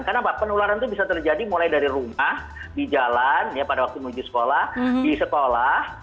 karena penularan itu bisa terjadi mulai dari rumah di jalan pada waktu menuju sekolah di sekolah